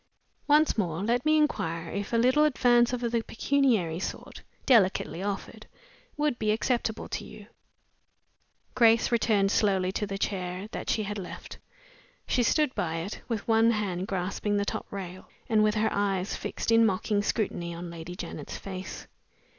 Once more, let me inquire if a little advance of the pecuniary sort (delicately offered) would be acceptable to you?" Grace returned slowly to the chair that she had left. She stood by it, with one hand grasping the top rail, and with her eyes fixed in mocking scrutiny on Lady Janet's face.